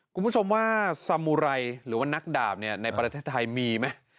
คุณผู้ชมว่าสมุไรหรือว่านักดาบในประเทศไทยมีไหม